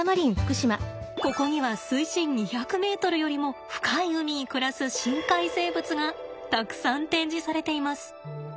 ここには水深２００ｍよりも深い海に暮らす深海生物がたくさん展示されています。